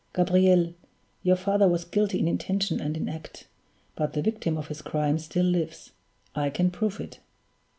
Gabriel, your father was guilty in intention and in act; but the victim of his crime still lives. I can prove it."